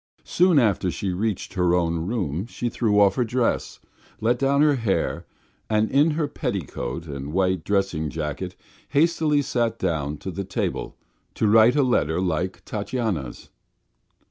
As soon as she reached her own room she threw off her dress, let down her hair, and in her petticoat and white dressing jacket hastily sat down to the table to write a letter like Tatyana's.